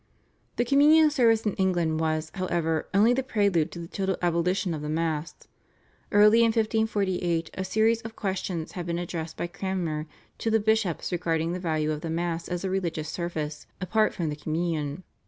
The Communion service in England was, however, only the prelude to the total abolition of the Mass. Early in 1548 a series of questions had been addressed by Cranmer to the bishops regarding the value of the Mass as a religious service apart from the Communion.